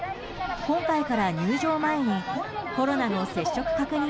今回から、入場前にコロナの接触確認